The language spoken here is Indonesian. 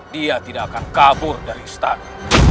dia tidak akan kabur dari istana